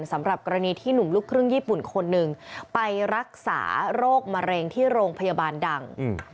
สำหรับกรณีที่หนุ่มลูกครึ่งญี่ปุ่นคนหนึ่งไปรักษาโรคมะเร็งที่โรงพยาบาลดัง